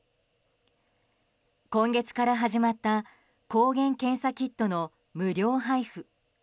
今月から始まった抗原検査キットの無料配布。